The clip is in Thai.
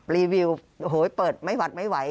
รีวิวโอ้โหเปิดไม่หวัดไม่ไหว